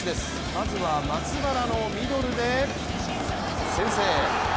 まずは、松原のミドルで先制。